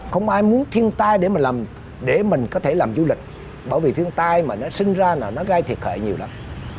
không ai muốn thiên tai để mình có thể làm du lịch bởi vì thiên tai mà nó sinh ra nó gây thiệt hệ nhiều lắm